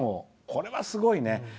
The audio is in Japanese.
これはすごいね。